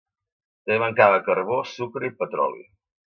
També mancava carbó, sucre i petroli